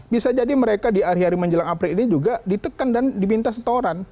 bisa jadi mereka di hari hari menjelang april ini juga ditekan dan diminta setoran